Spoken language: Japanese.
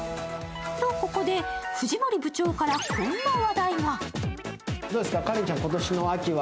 と、ここで藤森部長からこんな話題が。